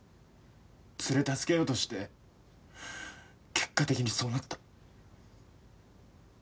ツレ助けようとして結果的にそうなった。